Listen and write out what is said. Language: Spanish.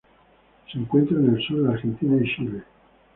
Se encuentra en el sur de Argentina y Chile.